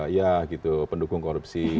ya gitu pendukung korupsi